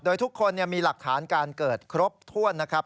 โดยทุกคนมีหลักฐานการเกิดครบถ้วนนะครับ